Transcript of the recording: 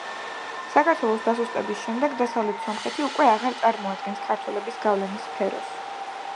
საქართველოს დასუსტების შემდეგ დასავლეთ სომხეთი უკვე აღარ წარმოადგენს ქართველების გავლენის სფეროს.